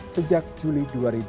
sejak juli dua ribu dua puluh